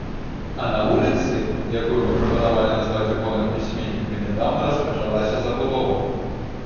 А на вуліцы, якую мы прапанавалі назваць у гонар пісьменніка, нядаўна распачалася забудова.